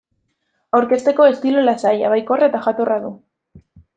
Aurkezteko estilo lasaia, baikorra eta jatorra du.